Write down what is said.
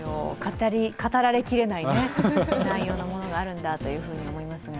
語られきれない内容のものがあるんだと思いますが。